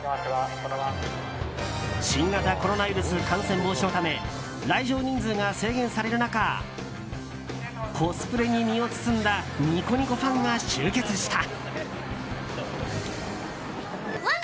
新型コロナウイルス感染防止のため来場人数が制限される中コスプレに身を包んだニコニコファンが集結した。